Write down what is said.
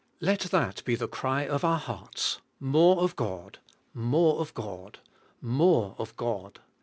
Let that be the cry of our hearts, — More of God ! More of God ! More of God